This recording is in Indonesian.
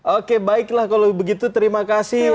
oke baiklah kalau begitu terima kasih